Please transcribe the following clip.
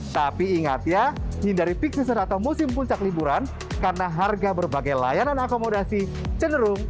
tapi ingat ya hindari peak season atau musim puncak liburan karena harga berbagai layanan akomodasi cenderung